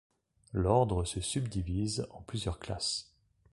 L'Ordre se subdivise en plusieurs classes.